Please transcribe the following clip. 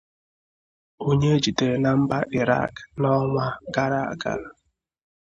onye e jidere na mba Ịrak n’ọnwa gara aga.